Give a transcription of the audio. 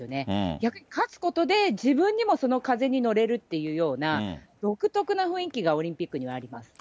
逆に勝つことで、自分にもその風に乗れるっていうような、独特な雰囲気がオリンピックにはあります。